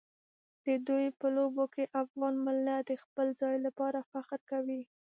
د دوی په لوبو کې افغان ملت د خپل ځای لپاره فخر کوي.